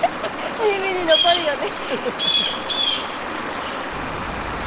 耳に残るよね。